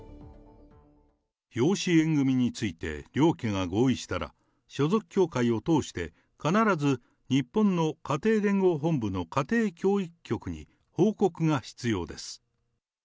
養子縁組について両家が合意したら、所属教会を通して、必ず日本の家庭連合本部の家庭教育局に報告が必要です。